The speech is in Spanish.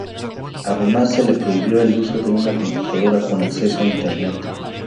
Además se le prohibió el uso de una computadora con acceso a internet.